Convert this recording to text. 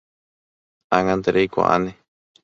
Ág̃ante reikuaáne